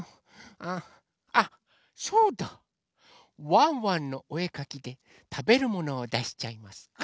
「ワンワンのおえかき」でたべるものをだしちゃいます。